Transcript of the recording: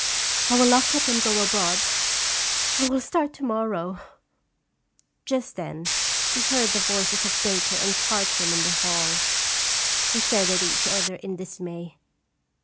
I will lock up and go abroad. I will start to morrow !" Just then we heard the voices of Dacre and Chartram in the hall. We stared at each other in dismay.